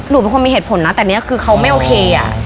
หนูเป็นคนมีเหตุผลนะแต่นี่คือเขาไม่โอเคอ่ะ